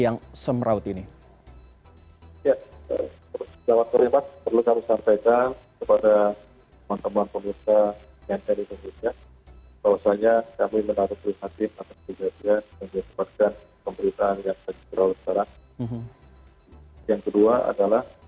yang kedua adalah